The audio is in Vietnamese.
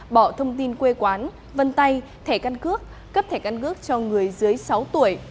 bỏ thông tin quê quán vân tay thẻ căn cước cấp thể căn cước cho người dưới sáu tuổi